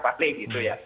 pahli gitu ya